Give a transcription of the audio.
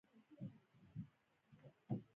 ژوند په غربت کې بوج وي